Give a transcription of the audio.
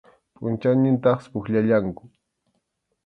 Pʼunchawnintintaqsi pukllallanku.